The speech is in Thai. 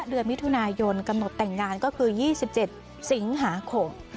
เดือนมิถุนายนกำหนดแต่งงานก็คือ๒๗สิงหาคม